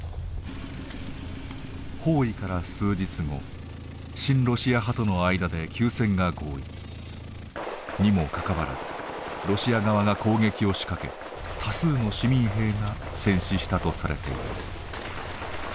包囲から数日後親ロシア派との間で休戦が合意。にもかかわらずロシア側が攻撃を仕掛け多数の市民兵が戦死したとされています。